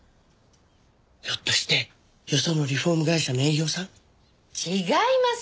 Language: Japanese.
ひょっとしてよそのリフォーム会社の営業さん？違いますよ！